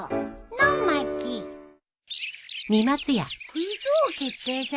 クイズ王決定戦？